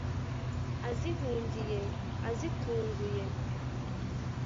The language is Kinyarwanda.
azihungiye: azitunguye